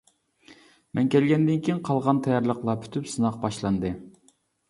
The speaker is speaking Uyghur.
مەن كەلگەندىن كىيىن قالغان تەييارلىقلار پۈتۈپ سىناق باشلاندى.